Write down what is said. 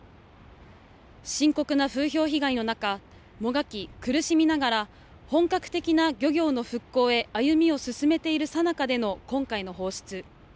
深刻な風評被害の中、もがき、苦しみながら本格的な漁業の復興へ歩みを進めているさなかでの今回の放出。